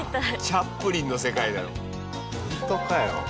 チャップリンの世界だよ。